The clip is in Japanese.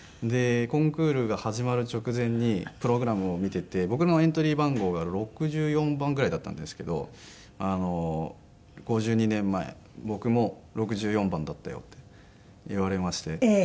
でコンクールが始まる直前にプログラムを見てて僕のエントリー番号が６４番ぐらいだったんですけど「５２年前僕も６４番だったよ」って言われまして。